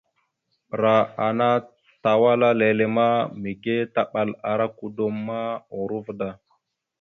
Ɓəra ana tawala lele ma, mige taɓal ara kudom ma, urova da.